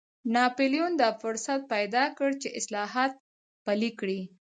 ناپلیون دا فرصت پیدا کړ چې اصلاحات پلي کړي.